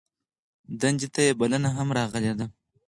دندې ته یې بلنه هم راغلې ده.